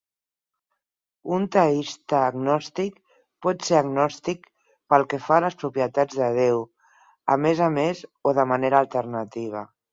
Un teista agnòstic pot ser agnòstic pel que fa a les propietats de Déu a més a més o de manera alternativa.